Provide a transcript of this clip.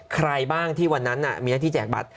ใครบ้างที่วันนั้นมีหน้าที่แจกบัตร